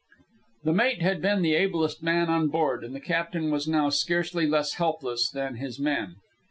The mate had been the ablest man on board, and the captain was now scarcely less helpless than his men.